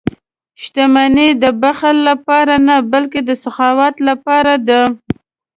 • شتمني د بخل لپاره نه، بلکې د سخا لپاره ده.